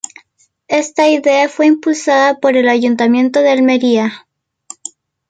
Está idea fue impulsada por el Ayuntamiento de Almería.